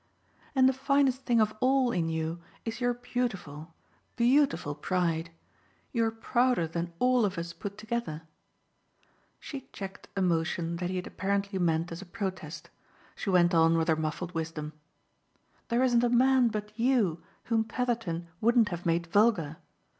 "And the finest thing of all in you is your beautiful, beautiful pride! You're prouder than all of us put together." She checked a motion that he had apparently meant as a protest she went on with her muffled wisdom. "There isn't a man but YOU whom Petherton wouldn't have made vulgar.